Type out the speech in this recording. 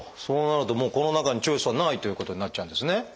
そうなるとこの中にチョイスはないということになっちゃうんですね。